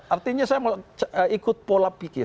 artinya saya ikut pola pikir